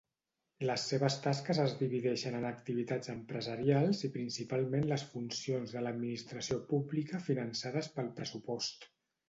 Les seves tasques es divideixen en activitats empresarials i principalment les funcions de l'administració pública finançades pel pressupost.